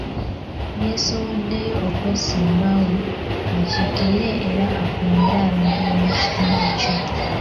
Yeesowoddeyo okwesimbawo, akiikirire era akulembere abantu b'omu kitundu kye.